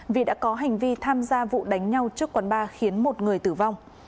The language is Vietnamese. vì đã có hành vi tham gia vụ đánh nhau trước quán ba khiến một người tử vong